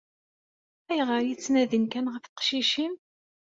Ayɣer ay ttnadin kan ɣef teqcicin?